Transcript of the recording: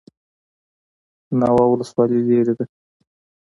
ناوه ولسوالۍ لیرې ده؟